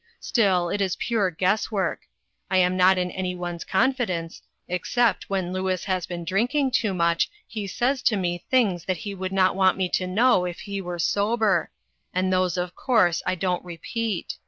Still, it is pure guesswork. I am not in any one's confidence, except when Louis has been drinking too much, he says to me things that he would not want me to know if he were sober, and those, of course, I don't repeat.